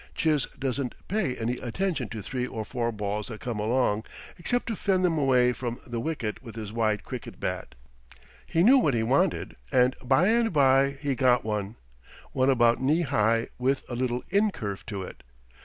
Chiz doesn't pay any attention to three or four balls that come along, except to fend them away from the wicket with his wide cricket bat. He knew what he wanted, and by and by he got one one about knee high with a little incurve to it.